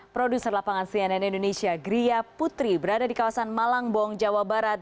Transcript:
produser lapangan cnn indonesia gria putri berada di kawasan malangbong jawa barat